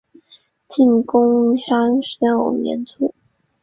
晋定公三十六年卒。